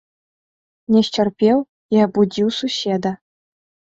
Не сцярпеў і абудзіў суседа.